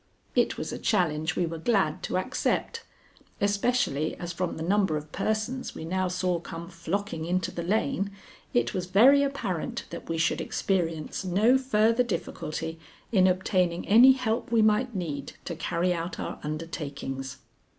It was a challenge we were glad to accept, especially as from the number of persons we now saw come flocking into the lane, it was very apparent that we should experience no further difficulty in obtaining any help we might need to carry out our undertakings.